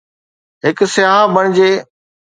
هڪ سياح بڻجي